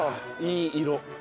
いい色。